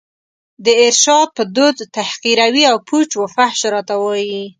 د ارشاد په دود تحقیروي او پوچ و فحش راته وايي